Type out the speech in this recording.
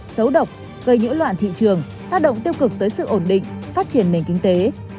xấu độc gây nhiễu loạn thị trường tác động tiêu cực tới sự ổn định phát triển nền kinh tế